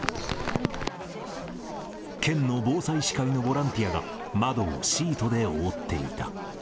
県の防災士会のボランティアが、窓をシートで覆っていた。